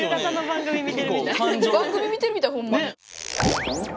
番組見てるみたいホンマに。